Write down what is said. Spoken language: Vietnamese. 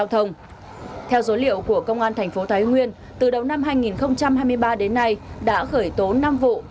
theo dối liệu của công an thành phố thái nguyên từ đầu năm hai nghìn hai mươi ba đến nay đã khởi tố năm vụ